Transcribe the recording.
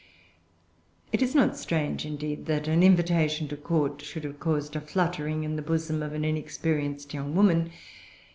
It is not strange indeed that an invitation to court should have caused a fluttering in the bosom of an inexperienced young woman.